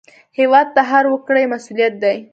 هېواد د هر وګړي مسوولیت دی